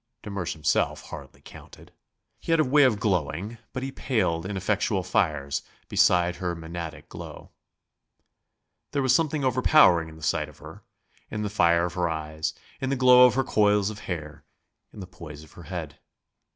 De Mersch himself hardly counted. He had a way of glowing, but he paled ineffectual fires beside her mænadic glow. There was something overpowering in the sight of her, in the fire of her eyes, in the glow of her coils of hair, in the poise of her head.